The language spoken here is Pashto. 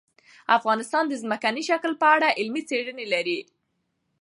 افغانستان د ځمکنی شکل په اړه علمي څېړنې لري.